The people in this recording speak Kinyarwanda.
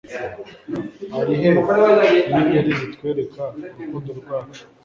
ari he inyenyeri zitwereka urukundo rwacu